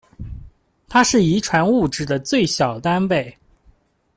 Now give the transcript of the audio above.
它是遗传物质的最小单位。